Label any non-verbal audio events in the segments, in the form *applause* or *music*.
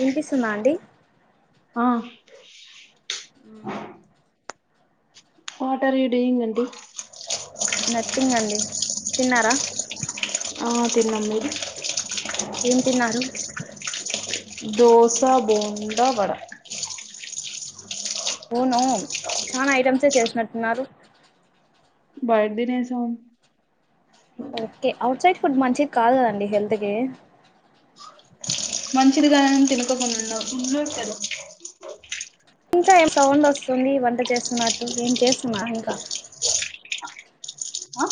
వినిపిస్తుందా అండి ఆ మ్ వాట్ ఆర్ యూ డూయింగ్ అండి నథింగ్ అండి తిన్నారా ఆ తిన్నాం మీరు ఏం తిన్నారు దోస బోండా వడ వూను చనా ఐటమ్సే చేసినట్టున్నారు బయిట్ దినేసామ్ ఓకే అవుట్ సైడ్ ఫుడ్ మంచిది కాదు గదండి హెల్త్ కి మంచిదిగాదని తినకోకుండా వుండడం *unintelligible* కద ఇంకా ఏం సౌండొస్తుంది వంట చేస్తున్నట్టు ఏం చేస్తున్నా ఇంకా ఆ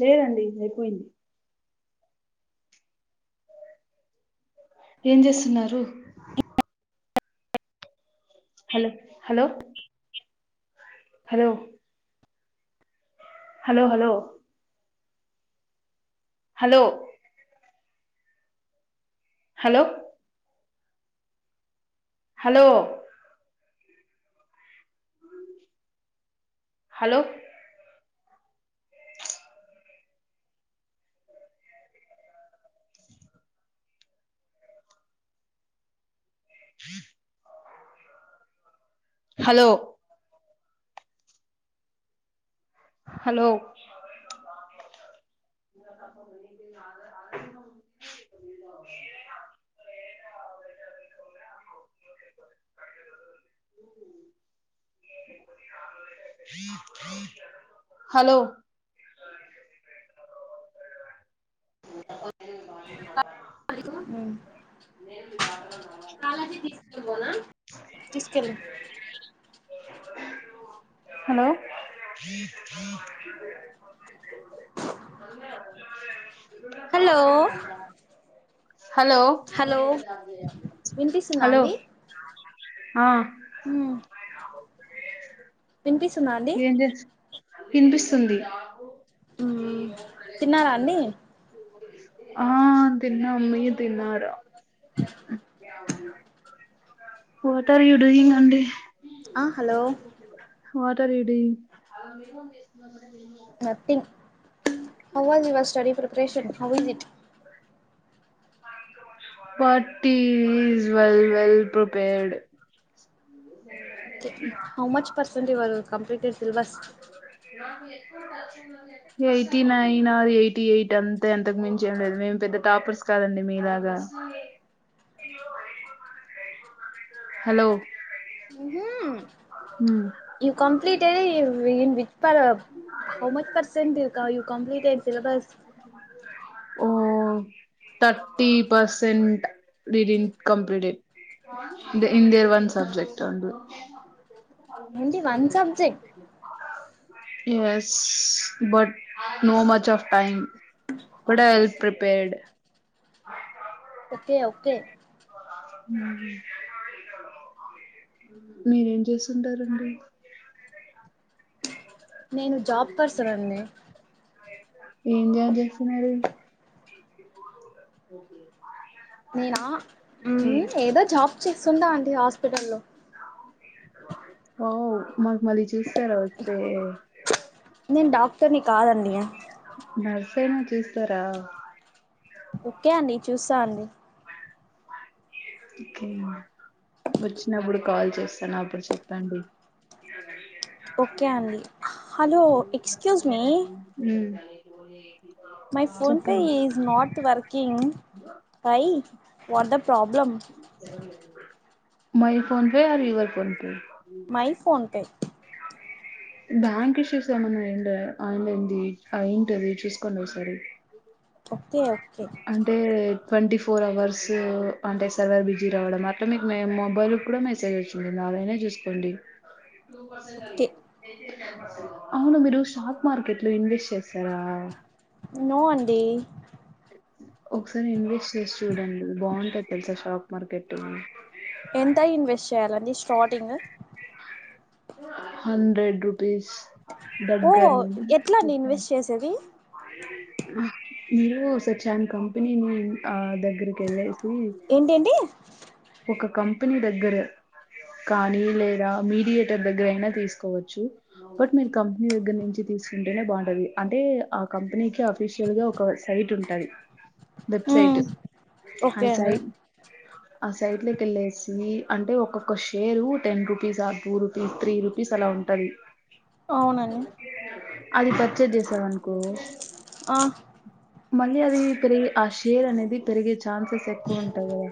లేదండి అయిపోయింది ఏం జేస్తున్నారు hello hello hello hello hello hello hello hello hello hello hello ఉ హలో ఉ తీసుకెళ్ళు హలో అ ఇ కా హలో అడిసా హలో హలో వినిపిస్తుందా హలో ఆ హు వినిపిస్తుందా అండి ఇన్ పిస్తుంది మ్ తిన్నారా అండి ఆ తిన్నం మీరు తిన్నార వాట్ ఆర్ యూ డూయింగ్ అండి ఆ hello what are you doing nothing how was your study preparation how is it what is well well prepared okay how much percent your completed syllabus eighty nine or eighty eight అంతే ఎంతకు మించి ఏం లేదు మేం పె ద్ద toppers కాదండి మీలాగా hello um you complete *unintelligible* how much percent you you కంప్లీటె syllabus oh thirty percent we didn't complete they in there one subject only in the one subject yes but no much of time but well prepared okay okay hmm మీరేం చేస్తుంటారండి నేను job person అండి ఎం job చేస్తున్నారు నేనా మ్ ఏదో job చేస్తుంట అండి హాస్పిటల్ల్లో ఓ మాకు మళ్ళీ చూస్తారా వస్తే నేను డాక్టర్ ని కాదండి సేనా చూస్తారా ఓకే అండి చూస్తా అండి ఓకే వచ్చినప్పుడు కాల్ చేస్తాను అప్పుడు చెప్పండి ఓకే అండి hello excuse me hmm my phone pay is not working problem my phone pay your PhonePe my PhonePe bank issues ఏమన్నా అండ్ ఆయనలో ఉంది ఏంటది చూసుకోండి ఒకసారి ఓకే ఓకే అంటే ట్వంటీ ఫోర్ అవర్స్ అంటే సర్వర్ బిజీ రావడం అట్లా మీకు మ మొబైల్ కూడా మెసేజ్ వచ్చింటుంది అదైనా చూసుకోండి ఓకే అవును గురు షాక్ మార్కెట్ లో ఇన్వెస్ట్ చేస్తారా నో అండి ఒకసారి ఇన్వెస్ట్ చేసి చూడండి బాగుంటాది తెలుసా షాక్ మార్కెట్ ఎంత ఇన్వెస్ట్ చేయాలండి స్టార్టింగ్ హండ్రెడ్ రుపీస్ దగ్గర ఓహో ఎట్లా నుంచి అండి ఇన్వెస్ట్ చేసేది మీరు సచాన్ కంపెనీని ఆ దగ్గరికి వెళ్ళే ఏంటేంటి ఒక కంపెనీ దగ్గర కానీ లేదా మీడియేటర్ దగ్గర అయినా తీసుకోవచ్చు బట్ మీరు కంపెనీ దగ్గర నుంచి తీ తీసుంటేనే బావుంటది అంటే ఆ కంపెనీకి అఫీషియల్ గా ఒక సైట్ ఉంటది వెబ్సైట్ ఉమ్ ఓకే హయి అండి సయి ఆ సైట్లే కెళ్ళేసి అంటే ఒక్కొక్క షేరు టెన్ రూపీస్ ఆ టూ రూపీస్ త్రీ రుపీస్ అలా ఉన్ ఉంటాది అవునండి అది పర్చేజ్ జేసావ్ అన్కో ఆ మళ్ళీ అదీ పెరిగి ఆ షేర్ అనేది పెరిగే ఛాన్సెస్ ఎక్కువ ఉంటాయి కదా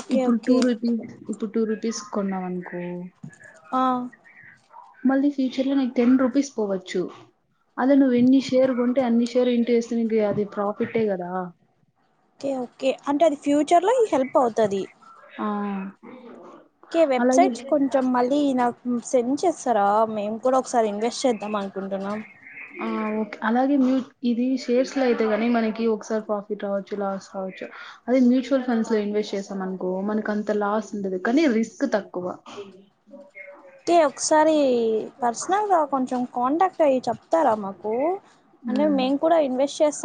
ఓకే ఇప్పుడు టూ ఓకే రూపీస్ ఇప్పుడు టూ రూపీస్ కొన్నాం అన్కో కో ఆ మళ్ళీ ఫ్యూచర్ లో నిక్ టెన్ రూపీస్ పోవచ్చు అదే నువ్వు ఎన్ని షేర్ కొంటే అన్ని షేర్ ఇన్టు ఏస్తే నీకీ అది ప్రాఫిట్టే గదా చర్ లో ఈ హెల్ప్ అవుతది అ కే వెబ్సైట్స్ కొంచం మళ్ళీ నాక్ మ్మ్ సెండ్ చెస్ తరా మేమ్ కుడా ఒకసారి ఇన్వెస్ట్ చేద్దాం అన్కుంటున్నాం ఆ ఆ ఓక్ అలాగే మీక్ ఇది షేర్స్ లో అయితే గనీ మనకి ఒకసారి ప్రాఫిట్ రావచ్చు లాస్ రావచ్చు అదే మ్యూచువల్ ఫండ్స్ లో ఇన్వెస్ట్ చేసాం అన్కో మనక్ అంత లాస్ ఉండదు కనీ రిస్క్ తక్కువ తే ఒక్ సారి పర్సనల్ గా కొంచం కాంట్యాక్ట్ అయ్యి చప్ తరా మాకు అంటే ఉమ్, మేమ్ కూడా ఇన్వెస్ట్ చేస్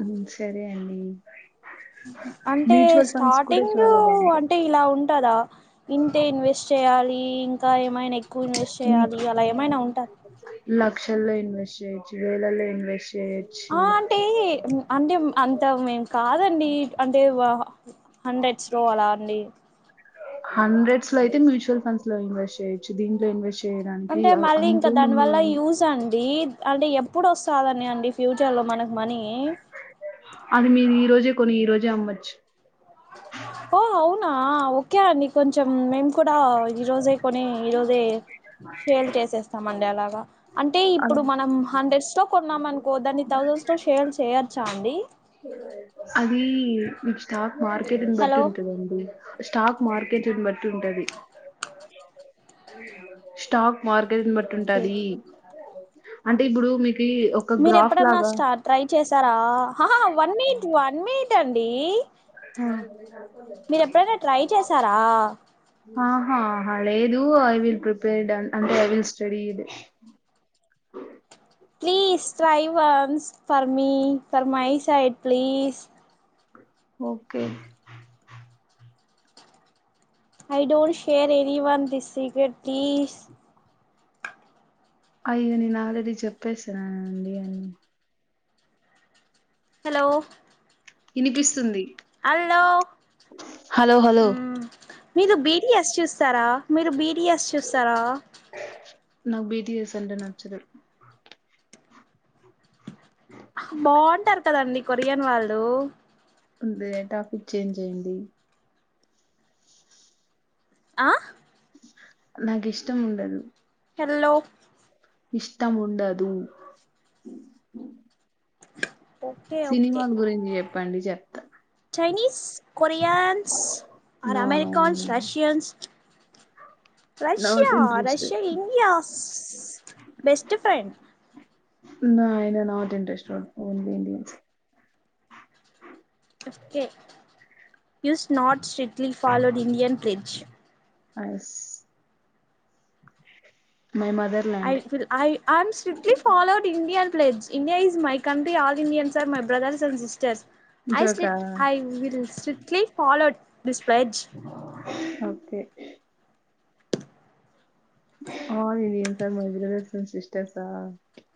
ఉమ్ సరే అండి అంటే మ్యూచువల్ ఫండ్స్ కూడా స్టాటిగ్ చాలా బాగుంటాయి అంటే ఇలా ఉంటాదా ఇంతే ఇన్వెస్ట్ చేయాలి ఈ ఇంకా ఏమైన ఎక్కువ్ ఇన్వెస్ట్ మీ చేయాలి అలా ఏమైన ఉంటా లక్షల్లో ఇన్వెస్ట్ చేయచ్చు వేలల్లో ఇన్వెస్ట్ ఆ చేయొచ్చు అంటే ఉమ్ అంటే మ్మ్ అంత మేం కాదండి అంటే వా హా హంరెడ్స్ లో అలా అండి హండ్రెడ్స్ లో అయితే మ్యూచుల్ ఫడ్స్ లో ఇన్వెస్ట్ చేయచ్చు దీంట్లో ఇన్వెస్ట్ చేయడానికి అంటే మళ్ళీ ఇంకా అంతేం దాని వల్ల ఉండదు యూజా అండి అంటే ఎప్పుడ్ ఒస్తాదని అండి ఫ్యూచర్ లో మనక్ మనీ అది మీర్ ఈ రోజే కొని ఈ రోజే అమ్మచ్చు ఓ అవునా ఓక్కే అండి కొంచం మేమ్ కుడా ఈరోజే కొనీ ఈరోజే షేల్ చేసేస్తమండి అలాగా అంటే అలా ఇప్పుడు మనం హండ్రెడ్స్ తో కొన్నామ్ అన్క్ కో దాన్ని థౌసండ్స్ లో షేల్ చేయచ్చా అండి అది మీకు స్టాక్ మార్కెట్ని బట్టి హలో ఉంటదండి స్టాక్ మార్కెట్ని బట్టి ఉంటది స్టాక్ మార్కెట్ని బట్టి ఓకే ఉంటాది అంటే ఇబ్బుడు మీ మీరు ఎప్పుడన్న స్టా ట్రై చేసారా హా హా వన్ మీట్ వన్ మీట్ అండి హా మీరు ఎప్పుడైనా ట్రై చేసారా ఆహా హా లేదు ఐ విల్ ప్రిపేర్డ్ అన్ అంటే I will studied please try once for me for my side please okay I don't share any one this secret please అయ్యో నేను ఆల్రెడీ చొప్పేస్యా అండి అన్ని హలో ఇనిపిస్తుంది అల్లో హలో మీరు బీటిఎస్ చూస్తారా మీరు బీటిఎస్ చూస్తారా నాక్ బిటిఎస్ అంటే నచ్చదు బాంటరు కదండి కొరియన్ వాళ్ళు ఉందిలే టాపిక్ చేంజ్ జెయ్యండి ఆ నాకి ఇష్టం ఉండదు హల్లో ఇష్టం ఉండదు *inaudible* ఓకే సినిమాల గురించి చెప్పండి చెప్తా Chinese Koreans or no no Americans no Russians Russia not interested Russia India's best friend నా ఆయన not interested only Indians okay use not strictly followed Indian pledge is motherland I will I am strictly followed Indian pledge India is my country all Indians are my brothers and sisters I జోకా స్లిట్ I will strictly followed okay ఆహా Indians are my brothers and sisters ఆ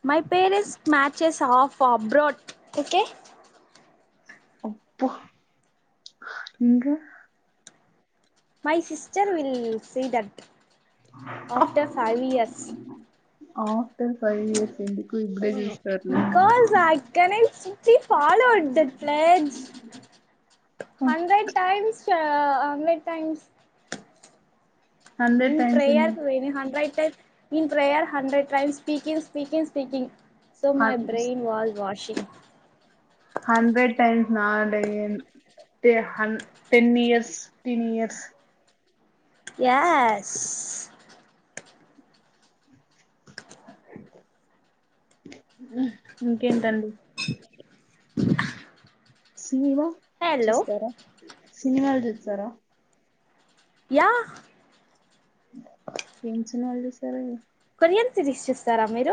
my parents matches of abroad okay అబ్బ ఇంక my sister will see that after five years after five years ఎందు అవును because I can I strictly followed that pledge *inaudible* hundred times ఆ hundred times hundred in times prayer very hundred in prayer hundred times speaking speaking speaking so my brain wall washing hundred times నాడే ఏన్ టె హన్ ten years fifteen years yes ఇంకేంటండి cinema hello చూస్తారా సినిమాలు చూస్తారా yeah ఏం సినిమాలు చూశారు కొరియన్ సిరీస్ చూస్తారా మీరు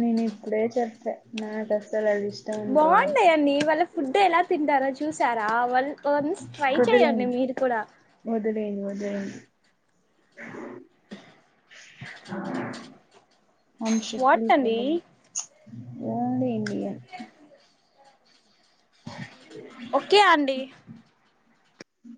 నేను ఇప్పుడే చెప్ప నా కసలవి బాగుంటాయండి వాళ్ళ ఫుడ్ ఎలా తింటారో చూసారా వాళ్ వన్స్ ట్రై చెయండి మీరు కూడా వద్దులెండి వద్దులే ఆ ఆమ్ వాట్ షిగ్గులు అండి పొండం ఓన్లీ ఇండియన్ ఓకే అండి